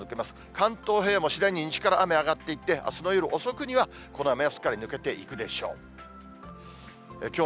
関東平野も次第に西から雨上がっていって、あすの夜遅くには、この雨はすっかり抜けていくでしょう。